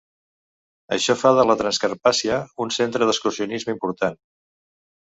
Això fa de la Transcarpàcia un centre d'excursionisme important.